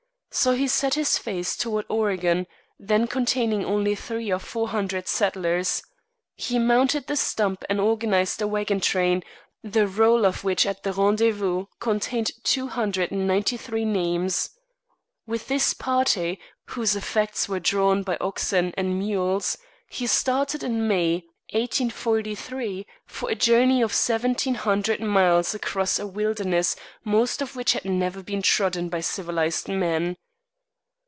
So he set his face toward Oregon, then containing only three or four hundred settlers. He mounted the stump and organized a wagon train, the roll of which at the rendezvous contained two hundred and ninety three names. With this party, whose effects were drawn by oxen and mules, he started in May, 1843, for a journey of seventeen hundred miles across a wilderness most of which had never been trodden by civilized men.